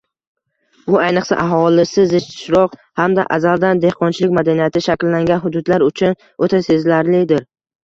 Bu ayniqsa, aholisi zichroq hamda azaldan dehqonchilik madaniyati shakllangan hududlar uchun o‘ta sezilarlidir.